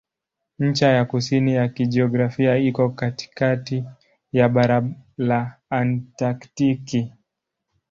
Ncha ya kusini ya kijiografia iko katikati ya bara la Antaktiki.